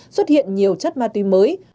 xuất hiện nhiều chất ma túy mới